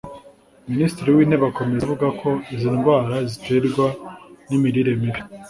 Minisitiri w’intebe akomeza avuga ko izi ndwara ziterwa n’imirire mibi